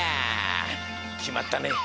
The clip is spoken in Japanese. きまったね！